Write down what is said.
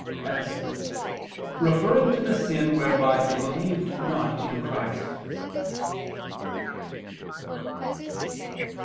as "referring to the sin whereby they believed not in Christ."